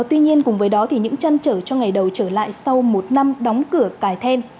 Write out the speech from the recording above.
tuy nhiên cùng với đó thì những trăn trở cho ngày đầu trở lại sau một năm đóng cửa cải then